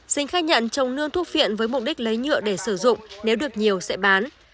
sinh khai nhận trồng nương thuốc viện với mục đích lấy nhựa để sử dụng nếu được nhiều sẽ bán